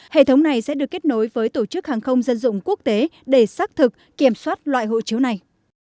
hệ thống này sẽ được kết nối với tổ chức hàng không dân dụng quốc tế để xác thực kiểm soát loại hộ chiếu này